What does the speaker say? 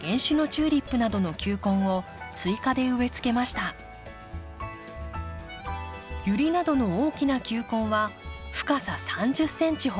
ユリなどの大きな球根は深さ３０センチほどで。